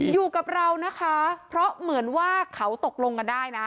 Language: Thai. อยู่กับเรานะคะเพราะเหมือนว่าเขาตกลงกันได้นะ